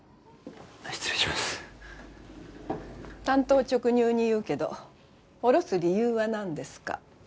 単刀直入に言うけどおろす理由はなんですか？